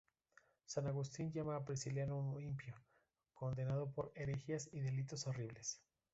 San Agustín llama a Prisciliano un impío, condenado por herejías y delitos horribles.